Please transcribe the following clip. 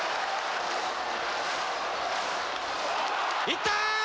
いった！